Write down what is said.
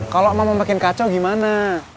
kalau mau makin kacau gimana